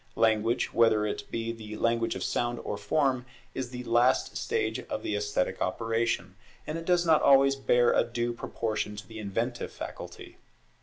Language, whether it be the Language of sound or form, is the last stage of the esthetic operation, and it does not always bear a due proportion to the inventive faculty.